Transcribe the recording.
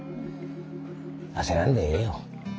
焦らんでええよ。